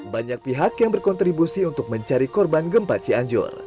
banyak pihak yang berkontribusi untuk mencari korban gempa cianjur